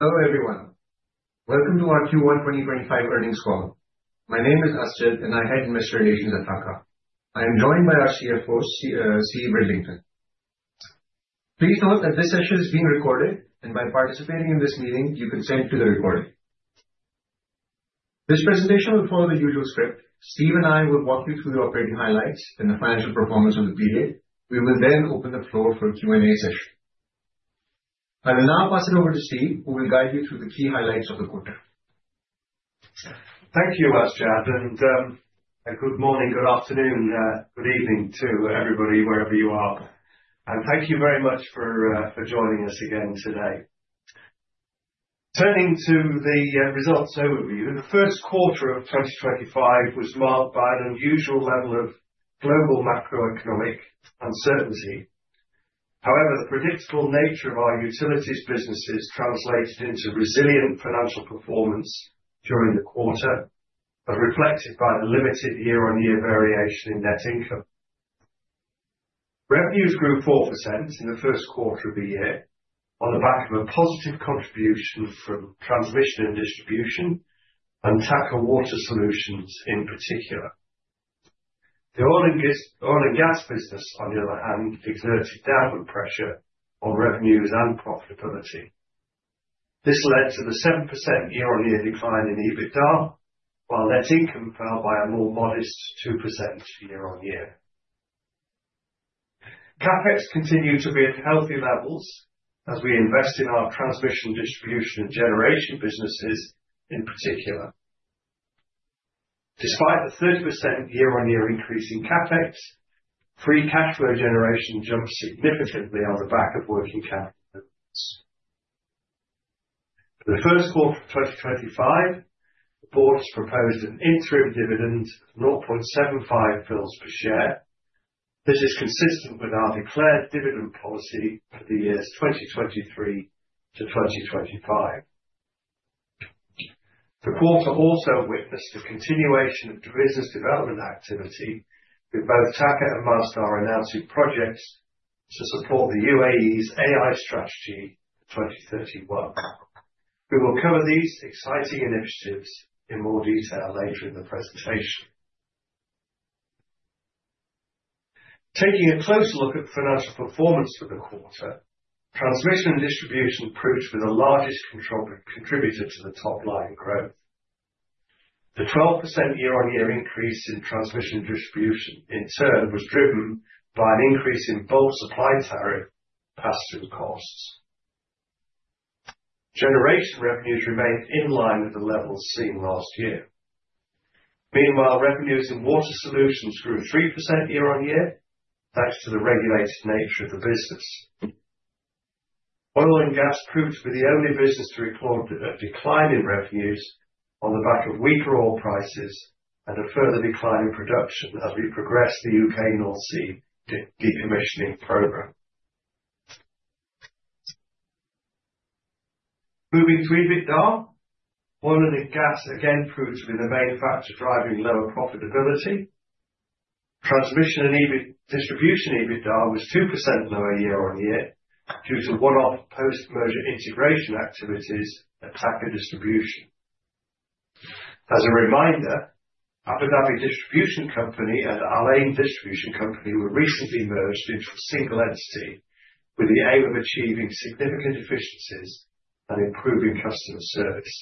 Hello everyone. Welcome to our Q1 2025 earnings call. My name is Shadi, and I head investor relations at TAQA. I am joined by our CFO, Steve Ridlington. Please note that this session is being recorded, and by participating in this meeting, you consent to the recording. This presentation will follow the usual script. Steve and I will walk you through the operating highlights and the financial performance of the period. We will then open the floor for a Q&A session. I will now pass it over to Steve, who will guide you through the key highlights of the quarter. Thank you, Shadi, and good morning, good afternoon, good evening to everybody wherever you are. Thank you very much for joining us again today. Turning to the results overview, the first quarter of 2025 was marked by an unusual level of global macroeconomic uncertainty. However, the predictable nature of our utilities businesses translated into resilient financial performance during the quarter, as reflected by the limited year-on-year variation in net income. Revenues grew 4% in the first quarter of the year on the back of a positive contribution from transmission and distribution, and TAQA Water Solutions in particular. The oil and gas business, on the other hand, exerted downward pressure on revenues and profitability. This led to the 7% year-on-year decline in EBITDA, while net income fell by a more modest 2% year-on-year. CapEx continued to be at healthy levels as we invest in our transmission, distribution, and generation businesses in particular. Despite the 30% year-on-year increase in CapEx, free cash flow generation jumped significantly on the back of working capital movements. For the first quarter of 2025, the board has proposed an interim dividend of 0.75 per share. This is consistent with our declared dividend policy for the years 2023 to 2025. The quarter also witnessed the continuation of business development activity with both TAQA and Masdar announcing projects to support the UAE's AI Strategy 2031. We will cover these exciting initiatives in more detail later in the presentation. Taking a closer look at financial performance for the quarter, transmission and distribution proved to be the largest contributor to the top-line growth. The 12% year-on-year increase in transmission and distribution, in turn, was driven by an increase in bulk supply tariff pass-through costs. Generation revenues remained in line with the levels seen last year. Meanwhile, revenues in Water Solutions grew 3% year-on-year, thanks to the regulated nature of the business. Oil and gas proved to be the only business to report a decline in revenues on the back of weaker oil prices and a further decline in production as we progressed the U.K. North Sea decommissioning program. Moving to EBITDA, oil and gas again proved to be the main factor driving lower profitability. Transmission and distribution EBITDA was 2% lower year-on-year due to one-off post-merger integration activities at TAQA Distribution. As a reminder, Abu Dhabi Distribution Company and Al Ain Distribution Company were recently merged into a single entity with the aim of achieving significant efficiencies and improving customer service.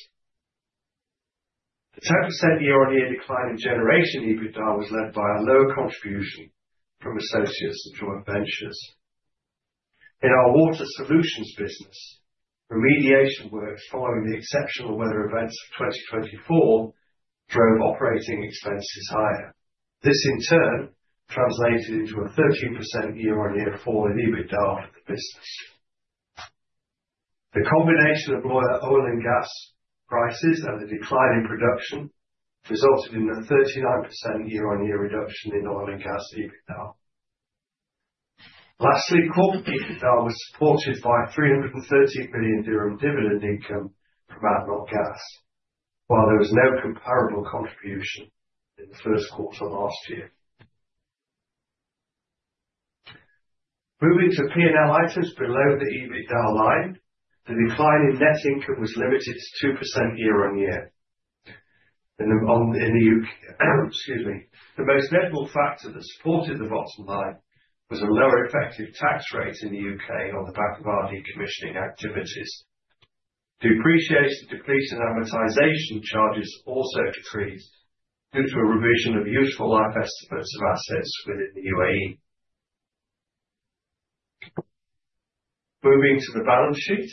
The 10% year-on-year decline in generation EBITDA was led by a lower contribution from associates and joint ventures. In our Water Solutions business, remediation work following the exceptional weather events of 2024 drove operating expenses higher. This, in turn, translated into a 13% year-on-year fall in EBITDA for the business. The combination of lower oil and gas prices and the decline in production resulted in a 39% year-on-year reduction in oil and gas EBITDA. Lastly, corporate EBITDA was supported by GBP 313 million dividend income from ADNOC Gas, while there was no comparable contribution in the first quarter last year. Moving to P&L items below the EBITDA line, the decline in net income was limited to 2% year-on-year. The most notable factor that supported the bottom line was a lower effective tax rate in the U.K. on the back of our decommissioning activities. Depreciation amortization charges also decreased due to a revision of useful life estimates of assets within the UAE. Moving to the balance sheet,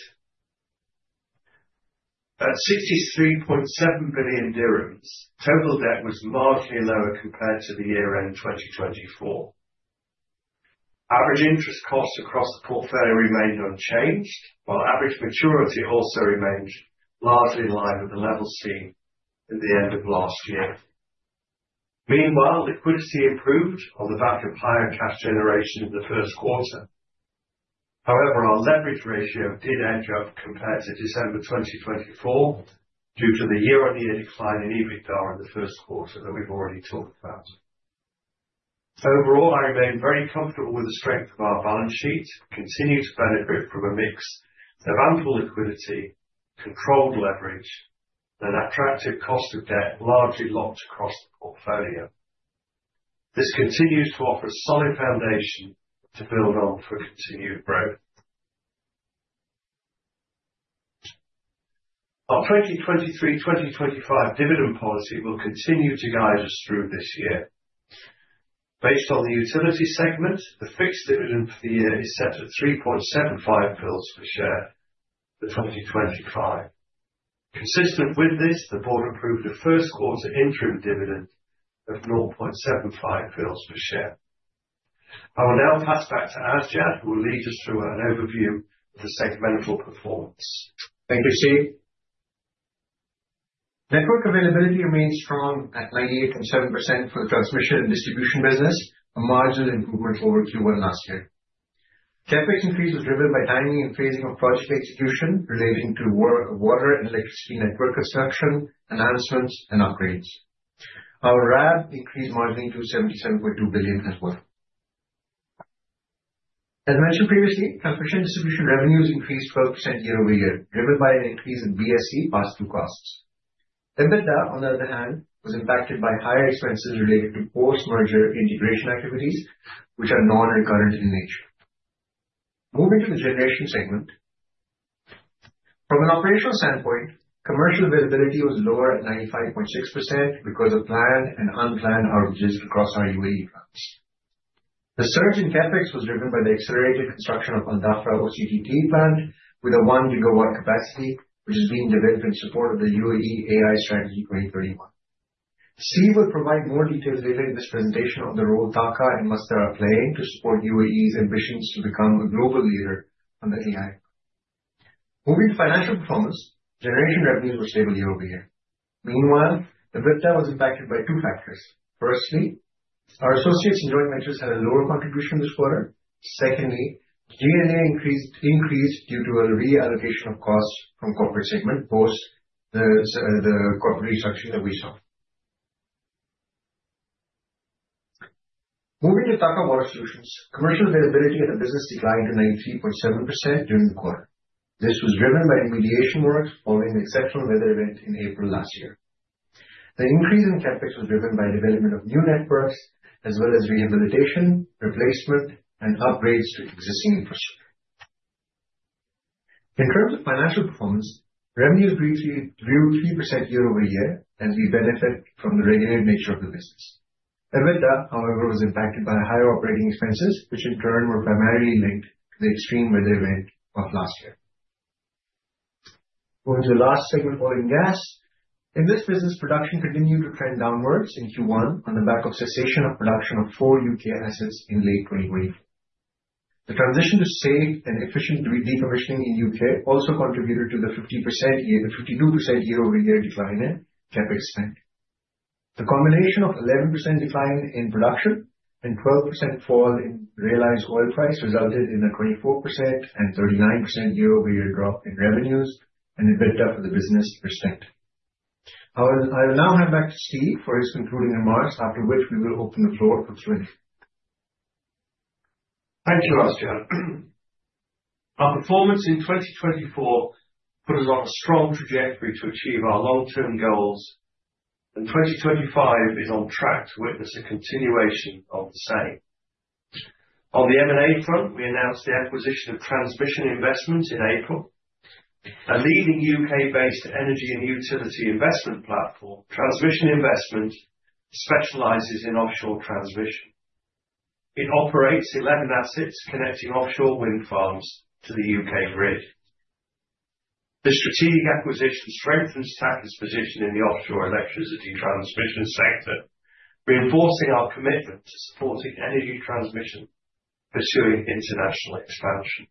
at 63.7 billion dirhams, total debt was markedly lower compared to the year-end 2024. Average interest cost across the portfolio remained unchanged, while average maturity also remained largely in line with the levels seen at the end of last year. Meanwhile, liquidity improved on the back of higher cash generation in the first quarter. However, our leverage ratio did end up compared to December 2024 due to the year-on-year decline in EBITDA in the first quarter that we've already talked about. Overall, I remain very comfortable with the strength of our balance sheet and continue to benefit from a mix of ample liquidity, controlled leverage, and an attractive cost of debt largely locked across the portfolio. This continues to offer a solid foundation to build on for continued growth. Our 2023-2025 dividend policy will continue to guide us through this year. Based on the utility segment, the fixed dividend for the year is set at 0.0375 per share for 2025. Consistent with this, the board approved a first quarter interim dividend of 0.0075 per share. I will now pass back to Shadi, who will lead us through an overview of the segmental performance. Thank you, Steve. Network availability remains strong at 98.7% for the transmission and distribution business, a marginal improvement over Q1 last year. CapEx increase was driven by timing and phasing of project execution relating to water and electricity network construction, enhancements, and upgrades. Our RAB increased marginally to 77.2 billion as well. As mentioned previously, transmission and distribution revenues increased 12% year-over-year, driven by an increase in BSE pass-through costs. EBITDA, on the other hand, was impacted by higher expenses related to post-merger integration activities, which are non-recurrent in nature. Moving to the generation segment, from an operational standpoint, commercial availability was lower at 95.6% because of planned and unplanned outages across our UAE plants. The surge in CapEx was driven by the accelerated construction of Aldafra OCTT plant, with a 1 GW capacity, which is being developed in support of the UAE AI Strategy 2031. Steve will provide more detailed data in this presentation on the role TAQA and Masdar are playing to support UAE's ambitions to become a global leader on the AI. Moving to financial performance, generation revenues were stable year-over-year. Meanwhile, EBITDA was impacted by two factors. Firstly, our associates and joint ventures had a lower contribution this quarter. Secondly, G&A increased due to a reallocation of costs from the corporate segment post the corporate restructuring that we saw. Moving to TAQA Water Solutions, commercial availability of the business declined to 93.7% during the quarter. This was driven by remediation work following the exceptional weather event in April last year. The increase in CapEx was driven by the development of new networks, as well as rehabilitation, replacement, and upgrades to existing infrastructure. In terms of financial performance, revenues grew 3% year-over-year, as we benefit from the regulated nature of the business. EBITDA, however, was impacted by higher operating expenses, which in turn were primarily linked to the extreme weather event of last year. Moving to the last segment, oil and gas. In this business, production continued to trend downwards in Q1 on the back of cessation of production of four U.K. assets in late 2024. The transition to safe and efficient decommissioning in U.K. also contributed to the 52% year-over-year decline in CapEx spend. The combination of 11% decline in production and 12% fall in realized oil price resulted in a 24% and 39% year-over-year drop in revenues and EBITDA for the business. I will now hand back to Steve for his concluding remarks, after which we will open the floor for Q&A. Thank you, Shadi. Our performance in 2024 put us on a strong trajectory to achieve our long-term goals, and 2025 is on track to witness a continuation of the same. On the M&A front, we announced the acquisition of Transmission Investments in April. A leading U.K.-based energy and utility investment platform, Transmission Investments specializes in offshore transmission. It operates 11 assets connecting offshore wind farms to the U.K. grid. This strategic acquisition strengthens TAQA's position in the offshore electricity transmission sector, reinforcing our commitment to supporting energy transmission, pursuing international expansion.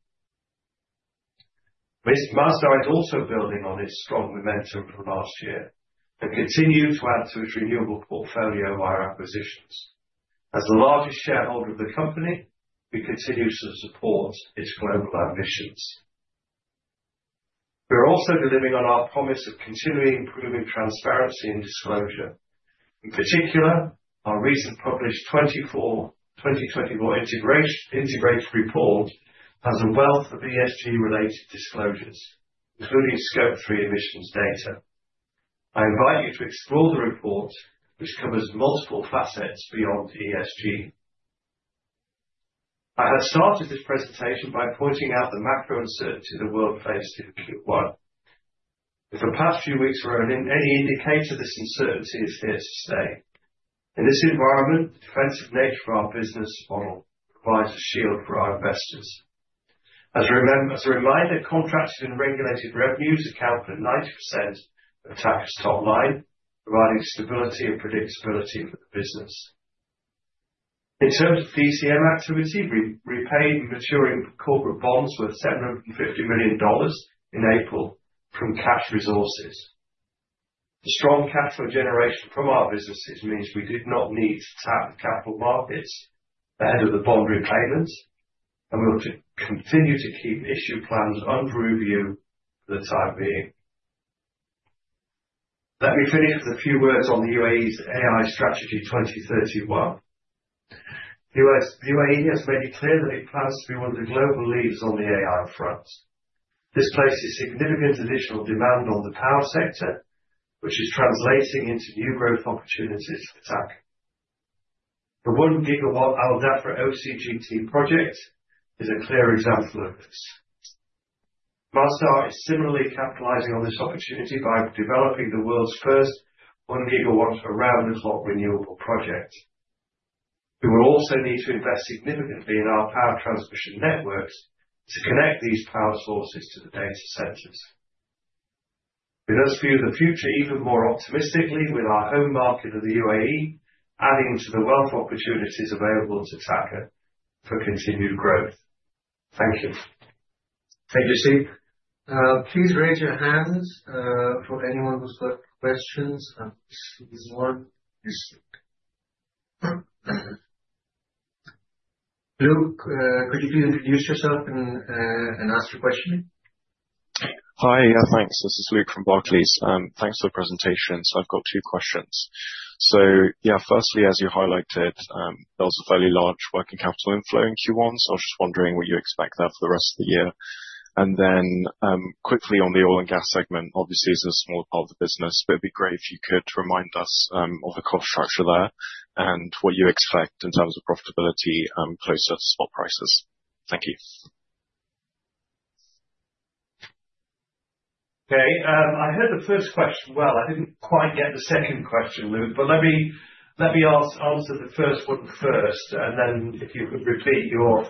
Masdar is also building on its strong momentum from last year and continues to add to its renewable portfolio via acquisitions. As the largest shareholder of the company, we continue to support its global ambitions. We are also delivering on our promise of continuing improving transparency and disclosure. In particular, our recent published 2024 integrated report has a wealth of ESG-related disclosures, including Scope 3 emissions data. I invite you to explore the report, which covers multiple facets beyond ESG. I had started this presentation by pointing out the macro uncertainty the world faced in Q1. If the past few weeks were any indicator, this uncertainty is here to stay. In this environment, the defensive nature of our business model provides a shield for our investors. As a reminder, contracted and regulated revenues account for 90% of TAQA's top line, providing stability and predictability for the business. In terms of TCM activity, we repaid maturing corporate bonds worth $750 million in April from cash resources. The strong cash flow generation from our businesses means we did not need to tap the capital markets ahead of the bond repayments, and we'll continue to keep issue plans under review for the time being. Let me finish with a few words on the UAE's AI Strategy 2031. The UAE has made it clear that it plans to be one of the global leaders on the AI front. This places significant additional demand on the power sector, which is translating into new growth opportunities for TAQA. The 1 GW Al Dhafra OCTT project is a clear example of this. Masdar is similarly capitalizing on this opportunity by developing the world's first 1 GW around-the-clock renewable project. We will also need to invest significantly in our power transmission networks to connect these power sources to the data centers. We must view the future even more optimistically, with our home market of the UAE adding to the wealth opportunities available to TAQA for continued growth. Thank you. Thank you, Steve. Please raise your hand for anyone who's got questions. I'll just use one this week. Luke, could you please introduce yourself and ask your question? Hi, yeah, thanks. This is Luke from Barclays. Thanks for the presentation. I've got two questions. Firstly, as you highlighted, there was a fairly large working capital inflow in Q1, so I was just wondering what you expect there for the rest of the year. Then quickly on the oil and gas segment, obviously it's a smaller part of the business, but it'd be great if you could remind us of the cost structure there and what you expect in terms of profitability closer to spot prices. Thank you. Okay, I heard the first question well. I did not quite get the second question, Luke, but let me answer the first one first, and then if you could repeat your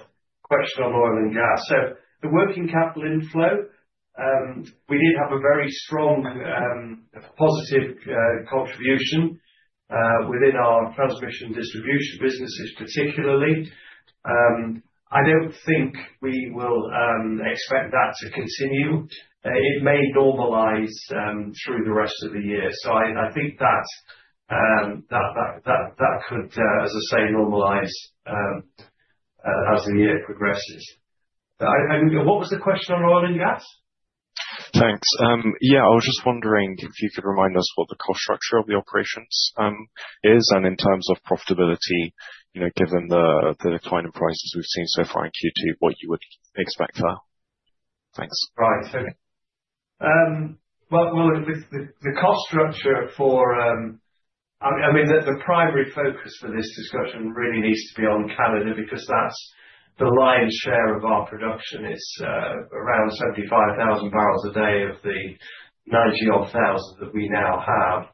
question on oil and gas. The working capital inflow, we did have a very strong positive contribution within our transmission and distribution businesses, particularly. I do not think we will expect that to continue. It may normalize through the rest of the year. I think that could, as I say, normalize as the year progresses. What was the question on oil and gas? Thanks. Yeah, I was just wondering if you could remind us what the cost structure of the operations is, and in terms of profitability, given the decline in prices we've seen so far in Q2, what you would expect there. Thanks. Right, okay. The cost structure for, I mean, the primary focus for this discussion really needs to be on Canada because that's the lion's share of our production. It's around 75,000 barrels a day of the 90-odd thousand that we now have.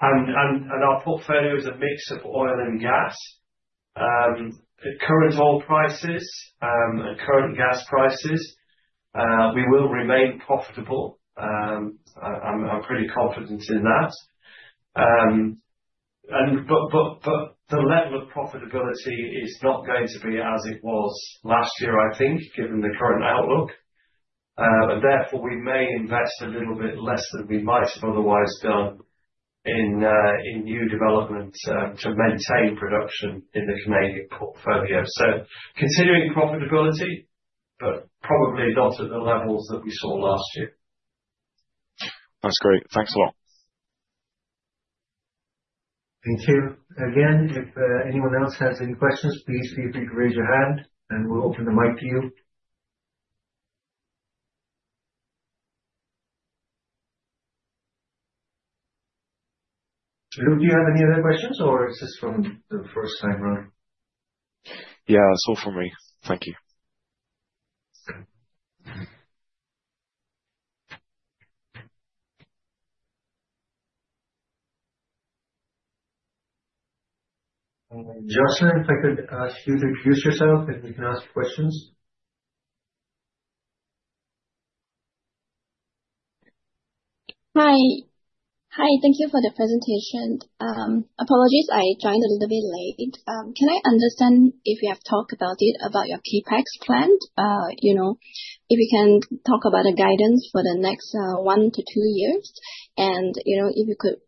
Our portfolio is a mix of oil and gas, current oil prices, and current gas prices. We will remain profitable. I'm pretty confident in that. The level of profitability is not going to be as it was last year, I think, given the current outlook. Therefore, we may invest a little bit less than we might have otherwise done in new developments to maintain production in the Canadian portfolio. Continuing profitability, but probably not at the levels that we saw last year. That's great. Thanks a lot. Thank you. Again, if anyone else has any questions, please feel free to raise your hand, and we'll open the mic to you. Luke, do you have any other questions, or is this from the first timer? Yeah, that's all from me. Thank you. Jocelyn, if I could ask you to introduce yourself, and you can ask your questions. Hi. Hi, thank you for the presentation. Apologies, I joined a little bit late. Can I understand if you have talked about it, about your CapEx plan, if you can talk about the guidance for the next one to two years, and if you could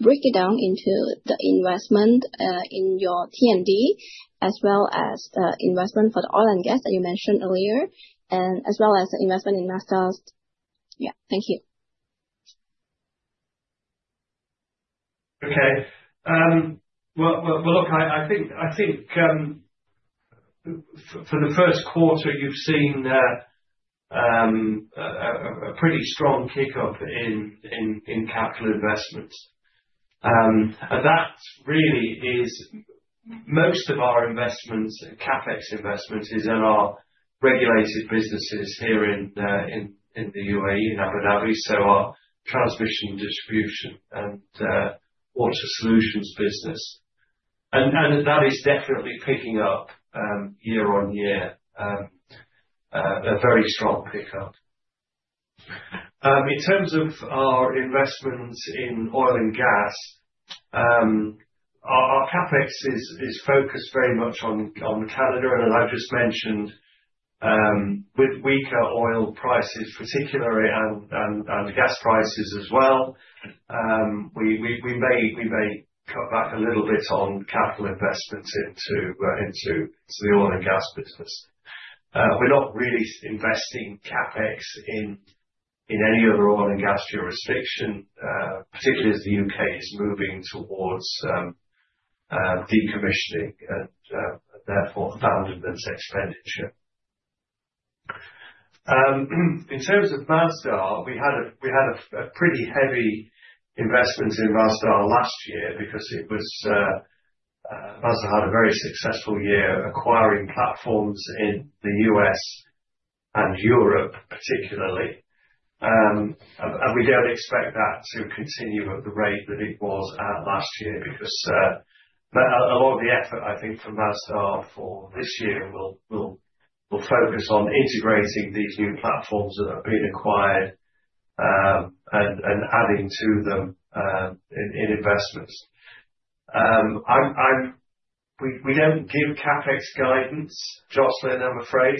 break it down into the investment in your T&D, as well as the investment for the oil and gas that you mentioned earlier, and as well as the investment in Masdar? Yeah, thank you. Okay. Look, I think for the first quarter, you've seen a pretty strong kick-off in capital investments. That really is most of our investments, CapEx investments, is in our regulated businesses here in the UAE, in Abu Dhabi, so our transmission distribution and Water Solutions business. That is definitely picking up year on year, a very strong pickup. In terms of our investments in oil and gas, our CapEx is focused very much on Canada, and as I've just mentioned, with weaker oil prices, particularly, and gas prices as well, we may cut back a little bit on capital investments into the oil and gas business. We're not really investing CapEx in any other oil and gas jurisdiction, particularly as the U.K. is moving towards decommissioning and therefore abandonment expenditure. In terms of Masdar, we had a pretty heavy investment in Masdar last year because Masdar had a very successful year acquiring platforms in the US and Europe, particularly. We do not expect that to continue at the rate that it was last year because a lot of the effort, I think, from Masdar for this year will focus on integrating these new platforms that have been acquired and adding to them in investments. We don't give CapEx guidance, Jocelyn, I'm afraid,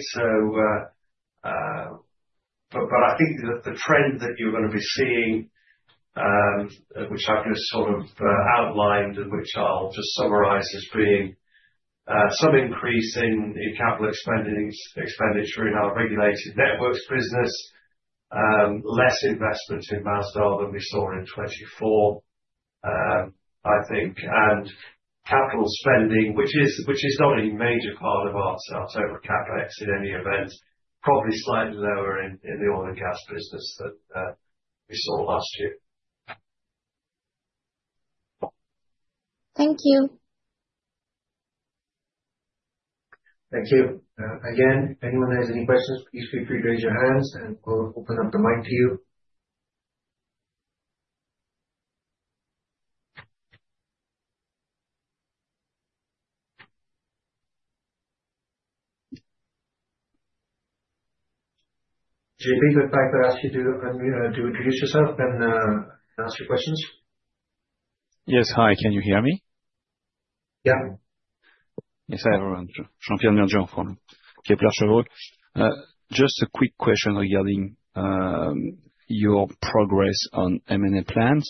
but I think that the trend that you're going to be seeing, which I've just sort of outlined and which I'll just summarize as being some increase in capital expenditure in our regulated networks business, less investment in Masdar than we saw in 2024, I think, and capital spending, which is not a major part of our total CapEx in any event, probably slightly lower in the oil and gas business than we saw last year. Thank you. Thank you. Again, if anyone has any questions, please feel free to raise your hands, and we'll open up the mic to you. Jean-Pierre, if I could ask you to introduce yourself and ask your questions. Yes, hi, can you hear me? Yeah. Yes, I have around Jean-Pierre from Kepler Cheuvreux. Just a quick question regarding your progress on M&A plans.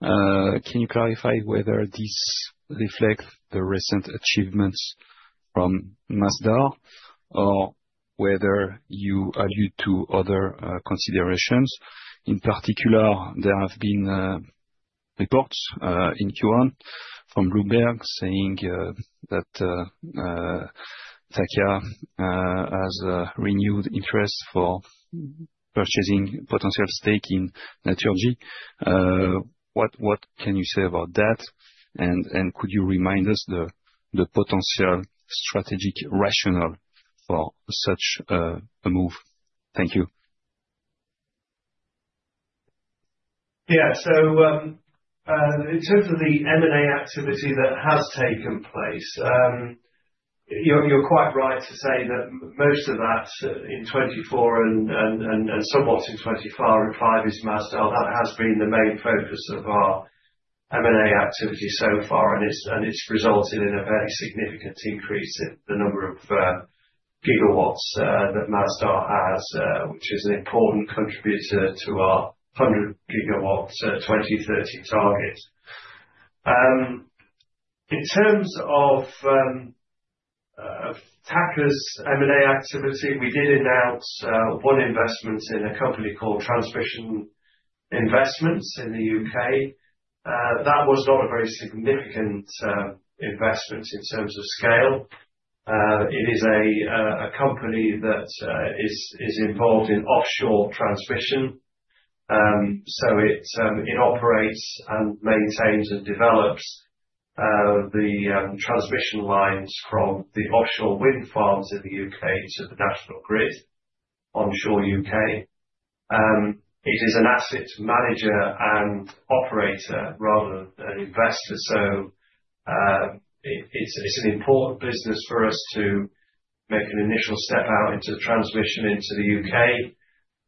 Can you clarify whether this reflects the recent achievements from Masdar or whether you allude to other considerations? In particular, there have been reports in Q1 from Bloomberg saying that TAQA has renewed interest for purchasing potential stake in Net4Gas. What can you say about that? Could you remind us the potential strategic rationale for such a move? Thank you. Yeah, so in terms of the M&A activity that has taken place, you're quite right to say that most of that in 2024 and somewhat in 2025 is Masdar. That has been the main focus of our M&A activity so far, and it's resulted in a very significant increase in the number of gigawatts that Masdar has, which is an important contributor to our 100 gigawatt 2030 target. In terms of TAQA's M&A activity, we did announce one investment in a company called Transmission Investments in the U.K. That was not a very significant investment in terms of scale. It is a company that is involved in offshore transmission. It operates and maintains and develops the transmission lines from the offshore wind farms in the U.K. to the national grid onshore U.K. It is an asset manager and operator rather than an investor. It's an important business for us to make an initial step out into transmission into the U.K.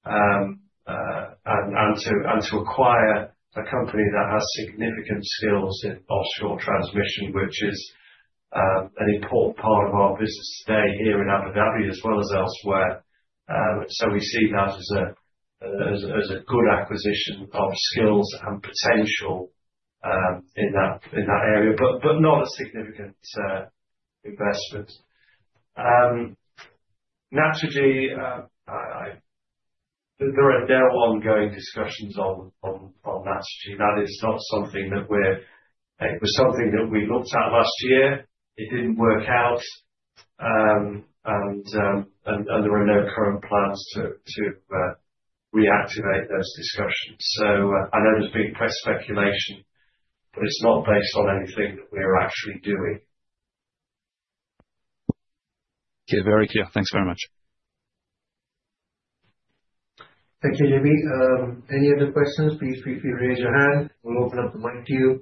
and to acquire a company that has significant skills in offshore transmission, which is an important part of our business today here in Abu Dhabi as well as elsewhere. We see that as a good acquisition of skills and potential in that area, but not a significant investment. Naturally, there are ongoing discussions on that. That is not something that we're—it was something that we looked at last year. It didn't work out, and there are no current plans to reactivate those discussions. I know there's been press speculation, but it's not based on anything that we are actually doing. Okay, very clear. Thanks very much. Thank you, Jean-Pierre. Any other questions? Please feel free to raise your hand. We'll open up the mic to you.